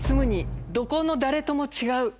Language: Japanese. どこの誰とも違う。